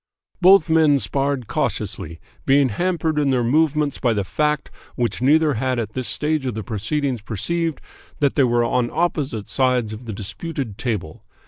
Both men sparred cautiously, being hampered in their movements by the fact, which neither had at this stage of the proceedings perceived, that they were on opposite sides of the disputed table.